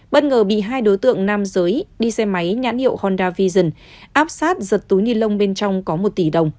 bất ngờ bị hai đối tượng nam giới đi xe máy nhãn hiệu honda vision áp sát giật túi ni lông bên trong có một tỷ đồng